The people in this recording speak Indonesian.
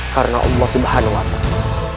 karena allah subhanahu wa ta'ala